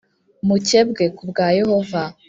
mukebwe ku bwa Yehova